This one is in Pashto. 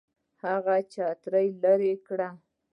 هغه چتر لري کړو.